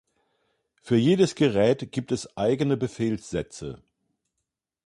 Für jedes Gerät gibt es eigene Befehlssätze.